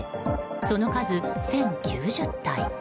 その数１０９０体。